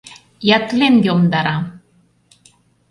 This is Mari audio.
Ятлен йомдара!..